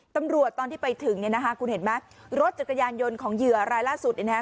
ตอนที่ไปถึงเนี่ยนะคะคุณเห็นไหมรถจักรยานยนต์ของเหยื่อรายล่าสุดเนี่ยนะฮะ